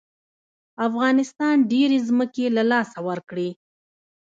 افغانستان ډېرې ځمکې له لاسه ورکړې.